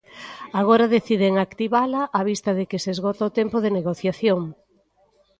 Agora deciden activala "á vista de que se esgota o tempo de negociación".